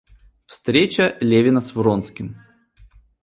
Встреча Левина с Вронским.